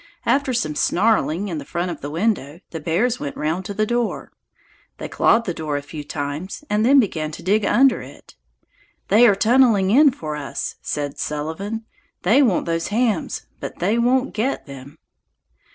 After some snarling in front of the window the bears went round to the door. They clawed the door a few times and then began to dig under it. "They are tunneling in for us," said Sullivan. "They want those hams; but they won't get them."